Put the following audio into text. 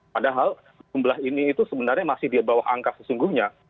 padahal jumlah ini itu sebenarnya masih di bawah angka sesungguhnya